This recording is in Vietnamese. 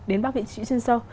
đến bác viện trị sinh sâu